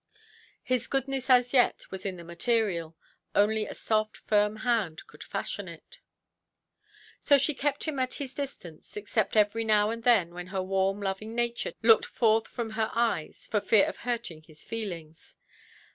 His goodness as yet was in the material; only a soft, firm hand could fashion it. So she kept him at his distance; except every now and then, when her warm, loving nature looked forth from her eyes, for fear of hurting his feelings.